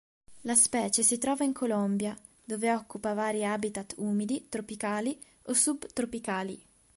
La specie si trova in Colombia, dove occupa vari habitat umidi, tropicali o subtropicali.